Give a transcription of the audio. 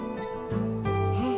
うん。